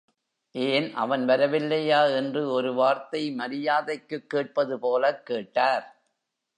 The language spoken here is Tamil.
ஏன், அவன் வரவில்லையா? என்று ஒரு வார்த்தை மரியாதைக்குக் கேட்பது போலக் கேட்டார்.